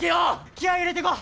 気合い入れてこ！